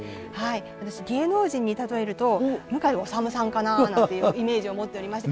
私芸能人に例えると向井理さんかななんていうイメージを持っておりまして。